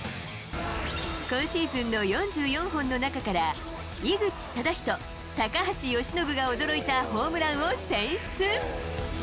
今シーズンの４４本の中から井口資仁、高橋由伸が驚いたホームランを選出。